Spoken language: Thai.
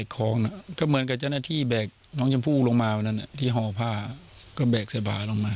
ของก็เหมือนกับเจ้าหน้าที่แบกน้องชมพู่ลงมาวันนั้นที่ห่อผ้าก็แบกสบาลงมา